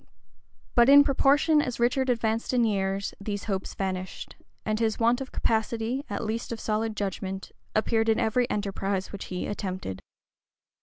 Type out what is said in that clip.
{1385.} But in proportion as Richard advanced in years, these hopes vanished; and his want of capacity, at least of solid judgment, appeared in every enterprise which he attempted.